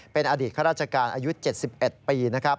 เป็นอดีตข้าราชการอายุ๗๑ปีนะครับ